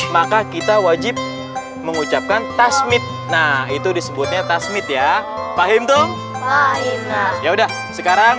maka kita wajib mengucapkan tasmid nah itu disebutnya tasmid ya paham tuh ya udah sekarang